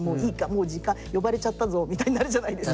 もう時間呼ばれちゃったぞみたいになるじゃないですか。